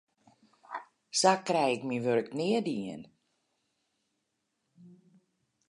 Sa krij ik myn wurk nea dien.